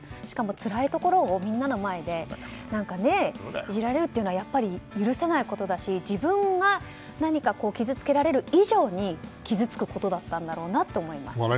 しかもつらいところをみんなの前でいじられるっていうのは許せないことだし自分が何か傷つけられる以上に傷つくことだったんだろうなと思います。